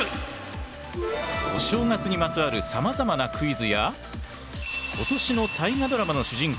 お正月にまつわるさまざまなクイズや今年の大河ドラマの主人公